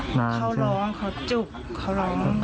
เขาร้องเขาจุกเขาร้อง